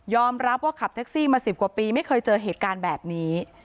รับว่าขับแท็กซี่มา๑๐กว่าปีไม่เคยเจอเหตุการณ์แบบนี้